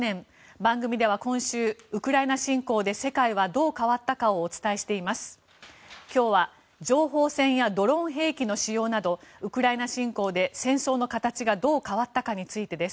番組では今週、ウクライナ侵攻で世界はどう変わったかをお伝えしています。